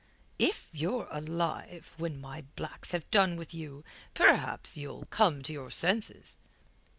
"If you're alive when my blacks have done with you, perhaps you'll come to your senses."